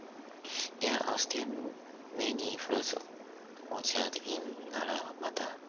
There are still many fruit orchards in Naramata.